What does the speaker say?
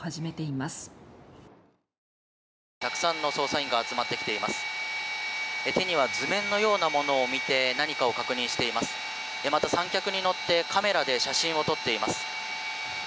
また、三脚に乗ってカメラで写真を撮っています。